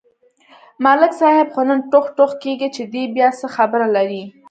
ملک صاحب خو نن ټوغ ټوغ کېږي، چې دی بیا څه خبره لري.